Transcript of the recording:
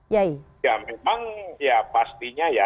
ya memang pastinya ya